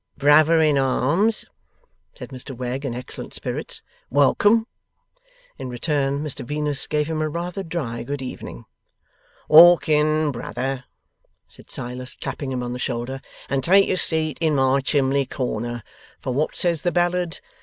'Brother in arms,' said Mr Wegg, in excellent spirits, 'welcome!' In return, Mr Venus gave him a rather dry good evening. 'Walk in, brother,' said Silas, clapping him on the shoulder, 'and take your seat in my chimley corner; for what says the ballad?